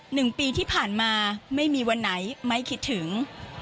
หนึ่งปีที่ผ่านมาไม่มีวันไหนไม่คิดถึง